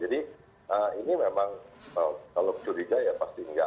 ini memang kalau curiga ya pasti enggak